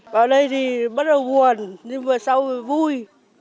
vào đây thì bắt đầu buồn nhưng vừa sâu vừa vui